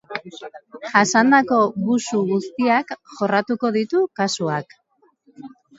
Jasandako busu guztiak jorratuko ditu kasuak.